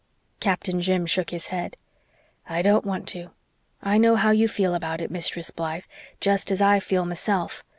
Captain Jim shook his head. "I don't want to. I know how you feel about it, Mistress Blythe just as I feel meself.